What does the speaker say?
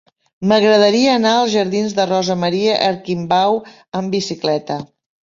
M'agradaria anar als jardins de Rosa Maria Arquimbau amb bicicleta.